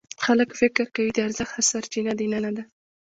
خلک فکر کوي د ارزښت سرچینه دننه ده.